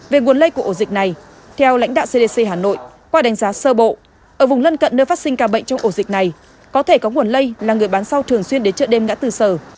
về nguồn lây của ổ dịch này theo lãnh đạo cdc hà nội qua đánh giá sơ bộ ở vùng lân cận nơi phát sinh ca bệnh trong ổ dịch này có thể có nguồn lây là người bán sau thường xuyên đến chợ đêm ngã tư sở